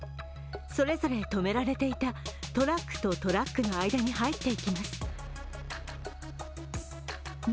それぞれ止められていたトラックとトラックの間に入っていきます。